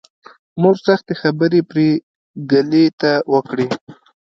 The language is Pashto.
مور سختې خبرې پري ګلې ته وکړې